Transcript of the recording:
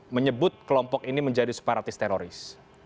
menyebut kelompok ini menjadi separatis teroris